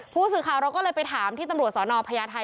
ภูติสิทธิ์ขาวเราก็เลยไปถามที่ตำรวจสอนอพญาไท